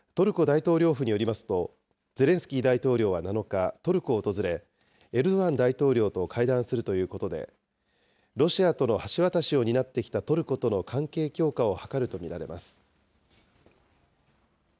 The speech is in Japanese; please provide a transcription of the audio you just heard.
また、トルコ大統領府によりますと、ゼレンスキー大統領は７日、トルコを訪れ、エルドアン大統領と会談するということで、ロシアとの橋渡しを担ってきたトルコとの関係強化を図ると見られます。